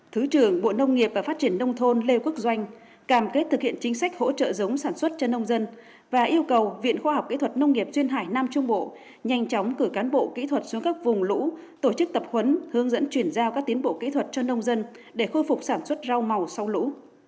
thứ trưởng bộ nông nghiệp và phát triển nông thôn lê quốc doanh cảm kết thực hiện chính sách hỗ trợ giống sản xuất cho nông dân và yêu cầu viện khoa học kỹ thuật nông nghiệp duyên hải nam trung bộ nhanh chóng cử cán bộ kỹ thuật xuống các vùng lũ tổ chức tập huấn hướng dẫn chuyển giao các tiến bộ kỹ thuật cho nông dân để khôi phục sản xuất rau màu sau lũ